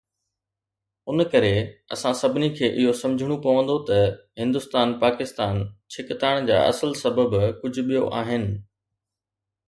ان ڪري، اسان سڀني کي اهو سمجهڻو پوندو ته هندستان-پاڪستان ڇڪتاڻ جا اصل سبب ڪجهه ٻيو آهن.